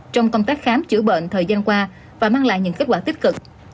trong công tác khám chữa bệnh thời gian qua và mang lại những kết quả tích cực